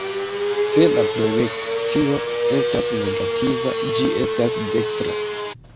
Se la projekcio estas negativa, ĝi estas dekstra.